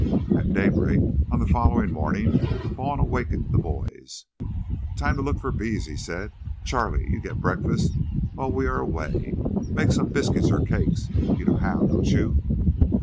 At daybreak, on the following morning, Vaughn awakened the boys. "Time to look for bees," he said. "Charlie, you get breakfast while we are away. Make some biscuit or cakes. You know how, don't you?"